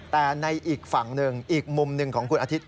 แต่ในอีกฝั่งหนึ่งอีกมุมหนึ่งของคุณอาทิตย